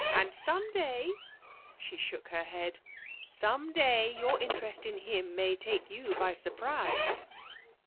And some day,' she shook her head, 'some day your interest in him may take you by surprise.'